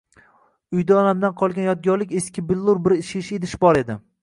Uyda onamdan qolgan yodgorlik eski billur bir shisha idish bor edi